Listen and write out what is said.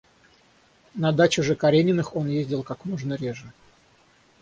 На дачу же Карениных он ездил как можно реже.